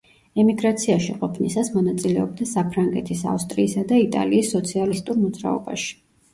ემიგრაციაში ყოფნისას მონაწილეობდა საფრანგეთის, ავსტრიისა და იტალიის სოციალისტურ მოძრაობაში.